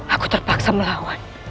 aku terpaksa melawan